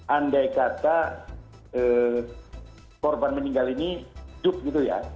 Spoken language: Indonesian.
andai kata korban meninggal ini hidup gitu ya